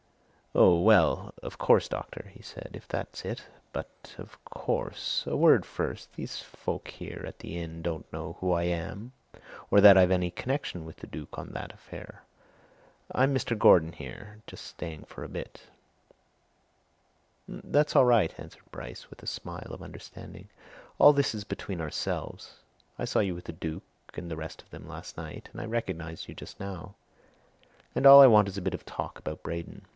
"Oh, well, of course, doctor," he said, "if that's it but, of course a word first! these folk here at the inn don't know who I am or that I've any connection with the Duke on that affair. I'm Mr. Gordon here just staying for a bit." "That's all right," answered Bryce with a smile of understanding. "All this is between ourselves. I saw you with the Duke and the rest of them last night, and I recognized you just now. And all I want is a bit of talk about Braden.